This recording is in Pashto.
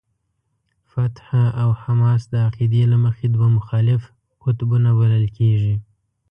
فتح او حماس د عقیدې له مخې دوه مخالف قطبونه بلل کېږي.